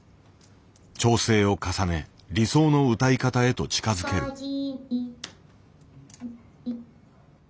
調整を重ね理想の歌い方へと近づける。